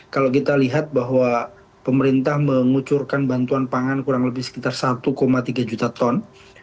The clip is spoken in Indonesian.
kalau kita lihat bahwa pemerintah mengucurkan bantuan pangan kurang lebih sekitar satu tiga juta ton